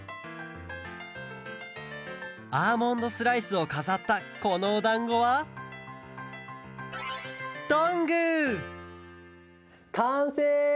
アーモンドスライスをかざったこのおだんごはかんせい！